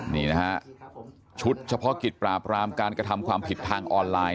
นี่นะฮะชุดเฉพาะกิจปราบรามการกระทำความผิดทางออนไลน์